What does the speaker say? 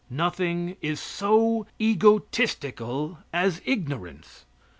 Nothing is so egotistical as ignorance.